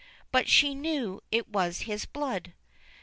But she knew it was his blood.